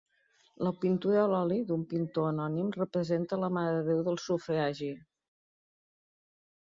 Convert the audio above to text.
La pintura a l'oli, d'un pintor anònim, representa la Mare de Déu del Sufragi.